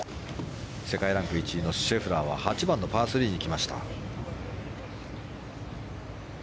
世界ランク１位のシェフラーは８番のパー３に来ました。